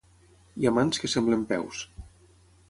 Hi ha mans que semblen peus.